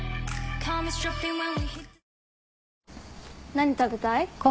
何食べたい？